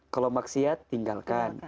kalau maksiat tinggalkan